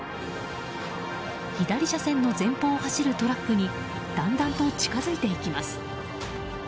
左車線の前方を走るトラックにだんだんと近づいてきます。